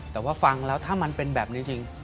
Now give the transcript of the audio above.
แต่ว่าฟังแล้วถ้ามันเป็นแบบนี้จริง